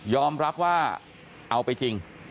อมรับว่าเอาไปจริง